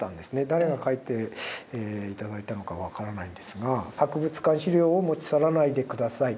誰が書いて頂いたのか分からないんですが「博物館資料を持ち去らないで下さい。